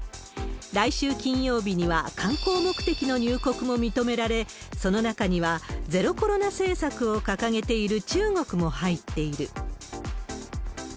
来週金曜日には観光目的の入国も認められ、その中にはゼロコロナ政策を掲げている中国も入っている。